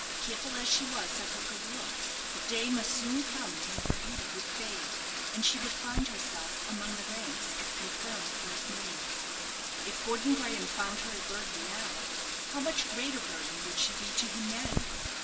Careful as she was of her good looks, the day must soon come when her beauty would fade, and she would find herself among the ranks of confirmed old maids. If Gordon Graham found her a burden now, how much greater burden would she be to him then!